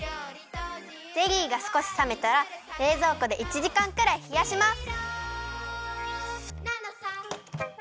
ゼリーがすこしさめたられいぞうこで１じかんくらいひやします。